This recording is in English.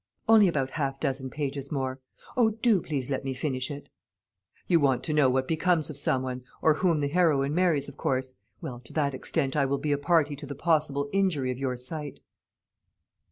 "Only about half dozen pages more; O, do please let me finish it!" "You want to know what becomes of some one, or whom the heroine marries, of course. Well, to that extent I will be a party to the possible injury of your sight."